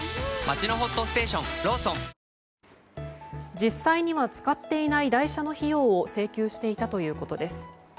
実際には使っていない代車の費用を請求していたということです。